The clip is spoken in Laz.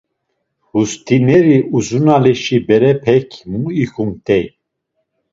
Hust̆ineri Uzunalişi berepek mu ikumt̆ey?